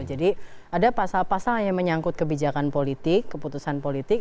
jadi ada pasal pasal yang menyangkut kebijakan politik keputusan politik